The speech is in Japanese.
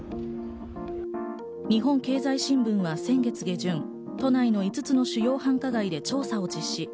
日本経済新聞は先月下旬、都内の５つの主要繁華街で調査を実施。